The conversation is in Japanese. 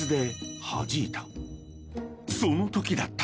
［そのときだった］